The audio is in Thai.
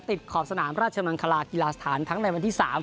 ขอบสนามราชมังคลากีฬาสถานทั้งในวันที่๓